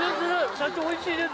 社長おいしいです。